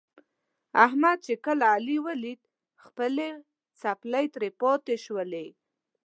احمد چې کله علي ولید خپلې څپلۍ ترې پاتې شولې.